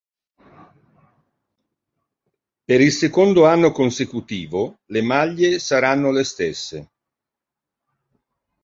Per il secondo anno consecutivo le maglie saranno le stesse.